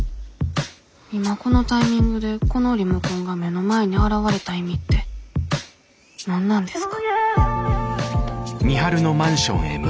今このタイミングでこのリモコンが目の前に現れた意味って何なんですか？